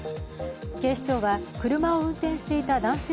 警視庁は車を運転していた男性